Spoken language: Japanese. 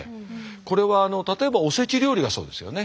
これは例えばおせち料理がそうですよね。